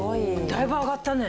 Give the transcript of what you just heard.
だいぶ上がったね。